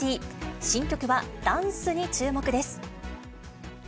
新曲はダンスに注目です。